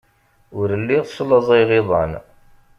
Ur lliɣ slaẓayeɣ iḍan.